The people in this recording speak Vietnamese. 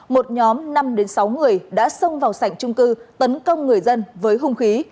một nhóm năm sáu người đã xông vào sảnh trung cư tấn công người dân với hung khí